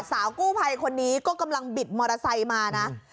สาวกู้ภัยคนนี้ก็กำลังบิดมอเตอร์ไซค์มานะ